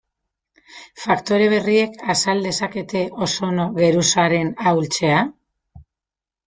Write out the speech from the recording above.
Faktore berriek azal dezakete ozono geruzaren ahultzea?